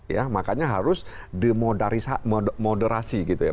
ya makanya harus demoderasi gitu ya